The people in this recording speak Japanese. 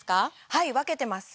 はい分けてます